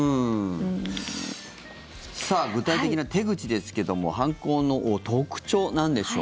具体的な手口ですけども犯行の特徴、なんでしょう。